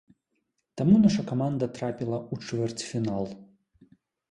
Таму наша каманда трапіла ў чвэрцьфінал.